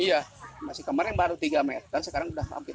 iya masih kemarin baru tiga meter sekarang sudah hampir